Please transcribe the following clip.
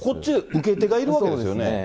受け手がいるわけですよね。